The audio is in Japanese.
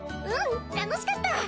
うん楽しかった。